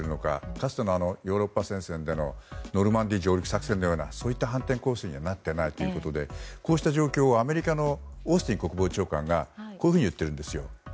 かつてのヨーロッパ戦線でのノルマンディー上陸作戦のようなそういった反転攻勢にはなっていないということでこうした状況をアメリカのオースティン国防長官がこういうふうに言っているんです。